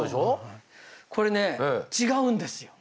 これね違うんですよ。